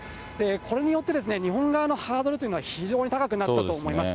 これによって日本側のハードルというのは、非常に高くなったと思います。